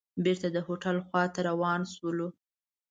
بېرته د هوټل خوا ته روان شولو.